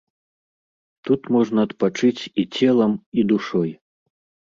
Тут можна адпачыць і целам, і душой.